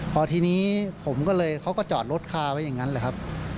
พอทีนี้ผมก็เลยเขาก็จอดรถคาไว้อย่างนั้นแหละครับ